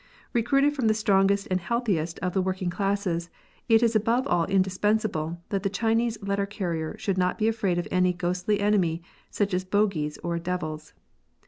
Eecruited from the strongest and healthiest of the working classes, it is above all indispensable that the Chinese letter carrier should not be afraid of any ghostly enemy, such .as bogies or devils.